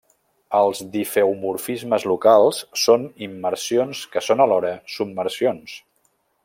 Els difeomorfismes locals són immersions que són alhora submersions.